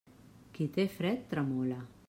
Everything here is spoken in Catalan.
Qui té fred, tremola.